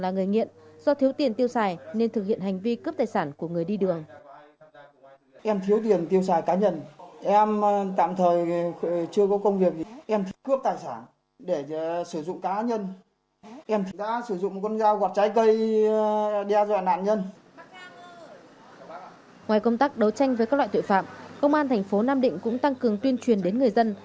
ngoài công tác đấu tranh với các loại tội phạm công an thành phố nam định cũng tăng cường tuyên truyền đến người dân